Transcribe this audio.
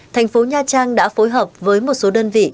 thành phố nha trang đã phối hợp với một số đơn vị